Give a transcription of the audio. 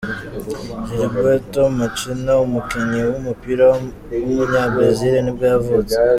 Gilberto Macena, umukinnyi w’umupira w’umunyabrazil nibwo yavutse.